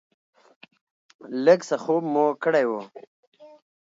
لږ څه خوب مو کړی و.